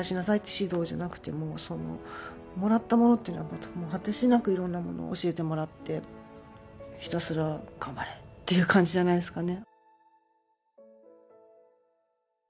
指導じゃなくて、もらったものというのは、もう果てしなくいろんなものを教えてもらって、ひたすら頑張れっていう感じじゃないですかね。